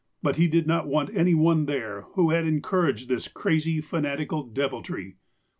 But that he did not want any one there who had encouraged this crazy, fanatical deviltry.